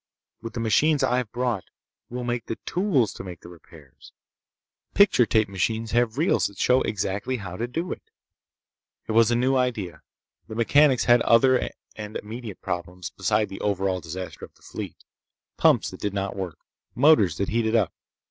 With the machines I've brought, we'll make the tools to make the repairs. Picture tape machines have reels that show exactly how to do it." It was a new idea. The mechanics had other and immediate problems beside the overall disaster of the fleet. Pumps that did not work. Motors that heated up.